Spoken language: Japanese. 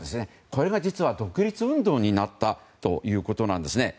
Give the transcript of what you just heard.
これが実は独立運動になったということなんですね。